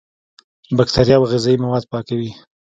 بکتریا او غذایي مواد پاکوي.